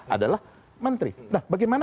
adalah menteri nah bagaimana